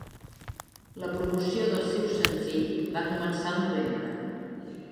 La promoció del seu senzill va començar el novembre.